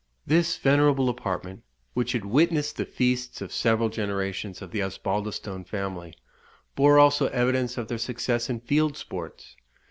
This venerable apartment, which had witnessed the feasts of several generations of the Osbaldistone family, bore also evidence of their success in field sports.